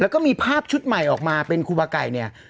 แล้วก็มีภาพชุดใหม่ออกมาเป็นครูบาไก่เนี่ย